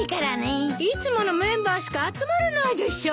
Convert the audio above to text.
いつものメンバーしか集まらないでしょう。